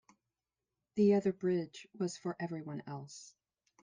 The other bridge was for everyone else.